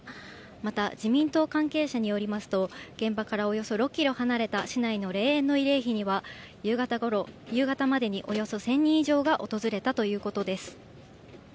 また自民党関係者によりますと、現場からおよそ６キロ離れた市内の霊園の慰霊碑には、夕方までにおよそ１０００人以上が訪れたということです。